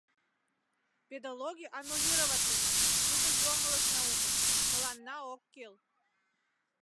Педологий аннулироватлыме, тудо йоҥылыш наука, мыланна ок кӱл.